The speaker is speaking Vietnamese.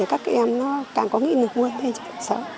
thì các em càng có nghĩa được vươn lên cho xã hội